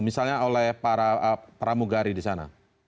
misalnya oleh para pramugari di sana